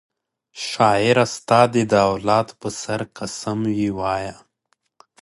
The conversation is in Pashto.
شاعره ستا دي د اولاد په سر قسم وي وایه